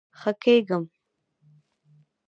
ښه کیږم